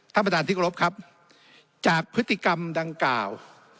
ท่านประธานที่กรบครับจากพฤติกรรมดังกล่าว